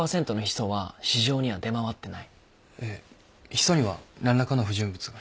ヒ素には何らかの不純物が。